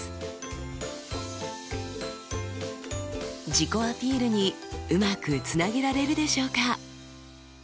自己アピールにうまくつなげられるでしょうか？